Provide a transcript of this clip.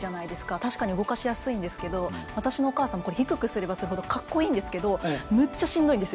確かに動かしやすいんですけど私のお母さん低くすればするほどかっこいいんですけどむっちゃしんどいんです